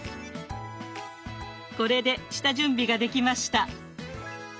これで下準備ができました。